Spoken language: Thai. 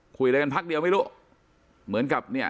คุยอะไรกันพักเดียวไม่รู้เหมือนกับเนี่ย